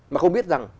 mà không biết rằng